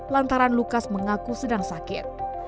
lantaran lukas mengaku sedang sakit